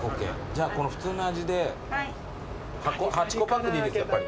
じゃあこの普通の味で８個パックでいいです。